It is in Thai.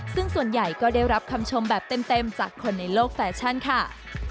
ซึ่งส่วนใหญ่ก็ได้รับคำชมแบบเต็มจากคนในโลกแฟชั่นค่ะ